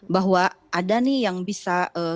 bahwa ada nih yang bisa